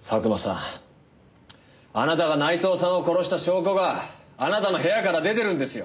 佐久間さんあなたが内藤さんを殺した証拠があなたの部屋から出てるんですよ。